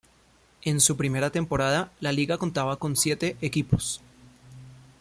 En su primera temporada, la liga contaba con siete equipos.